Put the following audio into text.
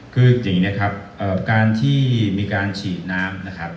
คืออย่างนี้ครับการที่มีการฉีดน้ำนะครับ